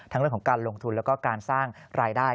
เรื่องของการลงทุนแล้วก็การสร้างรายได้